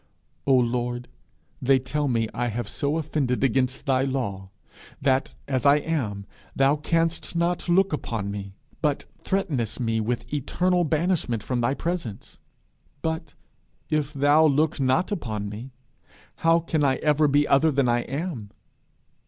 'O Lord, they tell me I have so offended against thy law that, as I am, thou canst not look upon me, but threatenest me with eternal banishment from thy presence. But if thou look not upon me, how can I ever be other than I am?